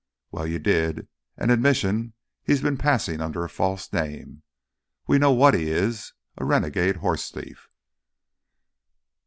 Well, you did: an admission he's been passing under a false name. We know what he is—a renegade horse thief."